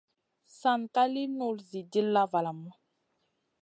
San ka lì nul Zi dilla valamu.